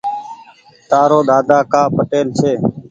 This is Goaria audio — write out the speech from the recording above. تآرو ۮاۮا ڪآ پٽيل ڇي ۔